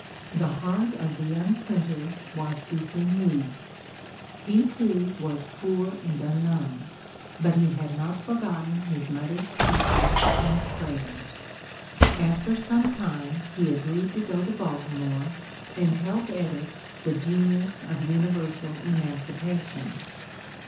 The heart of the young printer was deeply moved. He, too, was poor and unknown, but he had not forgotten his mother's teachings and prayers. After some time he agreed to go to Baltimore, and help edit the "Genius of Universal Emancipation."